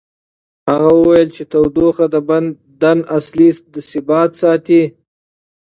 هغه وویل چې تودوخه د بدن اصلي ثبات ساتي.